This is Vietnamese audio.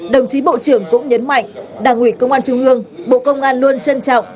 đồng chí bộ trưởng cũng nhấn mạnh đảng ủy công an trung ương bộ công an luôn trân trọng